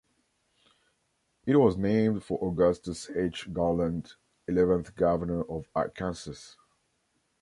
It was named for Augustus H. Garland, eleventh governor of Arkansas.